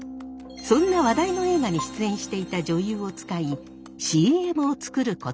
そんな話題の映画に出演していた女優を使いＣＭを作ることに。